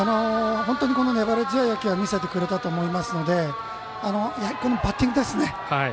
本当に粘り強い野球を見せてくれたと思いますのでバッティングですね。